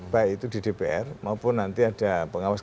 baik itu di dpr maupun nanti ada pengawas